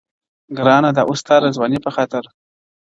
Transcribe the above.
• گرانه دا اوس ستا د ځوانۍ په خاطر.